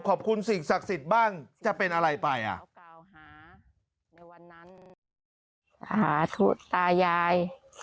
ขอบคุณสิ่งศักดิ์สิทธิ์บ้างจะเป็นอะไรไปไอ